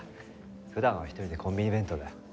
普段は一人でコンビニ弁当だよ。